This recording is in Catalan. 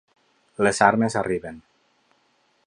Les armes arriben.